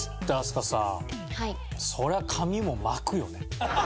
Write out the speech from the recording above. そりゃ髪も巻くよね。